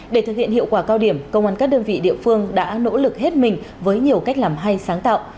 để thực hiện hiệu quả cao điểm công an các đơn vị địa phương đã nỗ lực hết mình với nhiều cách làm hay sáng tạo